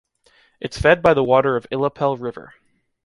It’s fed by the water of Illapel river.